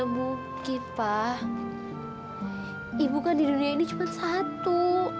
bukan di dunia ini cuma satu